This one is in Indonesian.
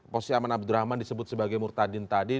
posisi aman abdurrahman disebut sebagai murtadin tadi